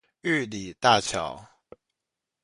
玉里大橋